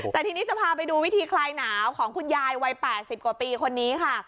แต่ทีนี้จะพาไปดูวิธีคลายหนาวของคุณยายวัย๘๐กว่าปีคนนี้ค่ะ